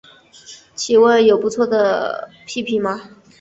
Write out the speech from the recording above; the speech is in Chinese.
请问一下有不错的 ㄟＰＰ 吗